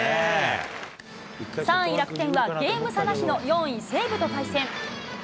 ３位楽天は、ゲーム差なしの４位西武と対戦。